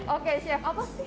oke chef apa sih yang spesial